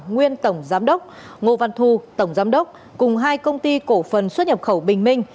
nguyên tổng giám đốc ngô văn thu tổng giám đốc cùng hai công ty cổ phần xuất nhập khẩu bình minh